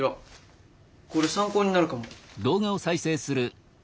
これ参考になるかも。